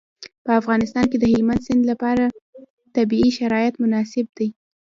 په افغانستان کې د هلمند سیند لپاره طبیعي شرایط مناسب دي.